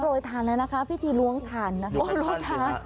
แล้วนะคะพี่ทีล้วงทันนะคะโอ๊ยรู้นะคะ